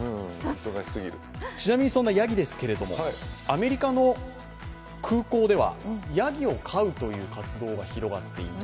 ちなみにそんなやぎですけれどもアメリカの空港では、やぎを飼うという活動が広がっています。